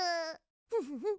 フフフ。